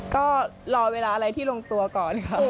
ก็รอเวลาอะไรที่ลงตัวก่อนครับ